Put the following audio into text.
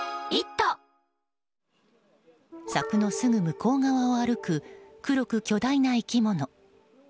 柵のすぐ向こう側を歩く黒く巨大な生き物。